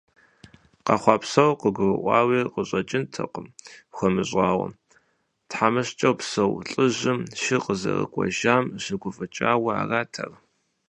Къэхъуа псор къыгурыӏуауи къыщӏэкӏынтэкъым хуэмыщӏауэ, тхьэмыщкӏэу псэу лӏыжьым, шыр къызэрыкӏуэжам щыгуфӏыкӏауэ арат ар.